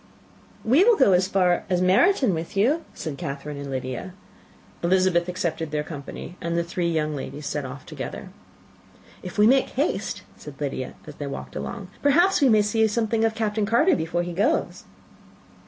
"We will go as far as Meryton with you," said Catherine and Lydia. Elizabeth accepted their company, and the three young ladies set off together. "If we make haste," said Lydia, as they walked along, "perhaps we may see something of Captain Carter, before he goes."